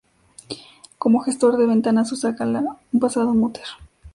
Como gestor de ventanas usa Gala, basado en Mutter.